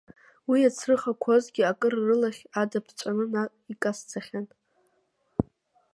Уи иацрыхақәозгьы акыр рылахь ада ԥҵәаны, наҟ икасцахьан.